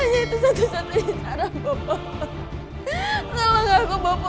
hanya itu satu satunya cara bopo